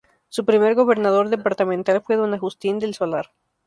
Su primer gobernador departamental fue don Agustín del Solar.